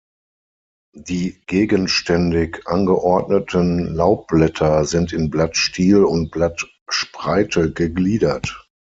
Die gegenständig angeordneten Laubblätter sind in Blattstiel und Blattspreite gegliedert.